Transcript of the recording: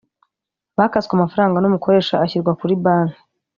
bakaswe amafaranga n Umukoresha ashyirwa kuri banki